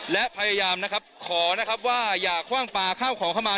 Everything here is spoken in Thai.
และพยายามนะครับขอนะครับว่าอย่าคว่างปลาข้าวของเข้ามา